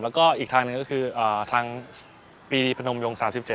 แล้วก็อีกทางหนึ่งก็คือทางปีพนมยง๓๗